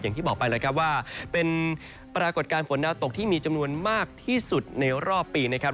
อย่างที่บอกไปแล้วครับว่าเป็นปรากฏการณ์ฝนดาวตกที่มีจำนวนมากที่สุดในรอบปีนะครับ